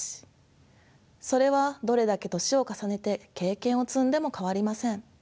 それはどれだけ年を重ねて経験を積んでも変わりません。